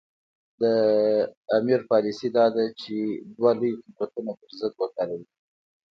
د امیر پالیسي دا ده چې دوه لوی قدرتونه پر ضد وکاروي.